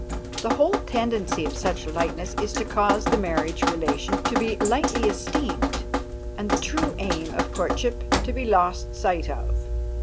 The whole tendency of such lightness is to cause the marriage relation to be lightly esteemed and the true aim of courtship to be lost sight of.